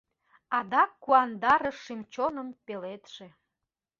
Адак куандарыш шӱм-чоным пеледше